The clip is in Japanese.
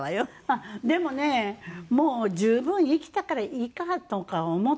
あっでもねもう十分生きたからいいかとか思った。